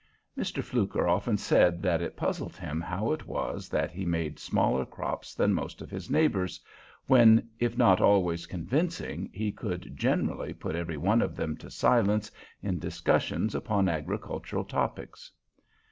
Mr. Fluker often said that it puzzled him how it was that he made smaller crops than most of his neighbors, when, if not always convincing, he could generally put every one of them to silence in discussions upon agricultural topics.